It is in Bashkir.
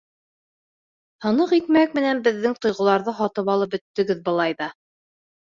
— Һыныҡ икмәк менән беҙҙең тойғоларҙы һатып алып бөттөгөҙ былай ҙа.